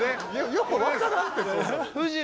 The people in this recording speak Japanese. よくわからんってその。